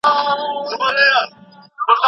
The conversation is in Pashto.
د عشق او مینې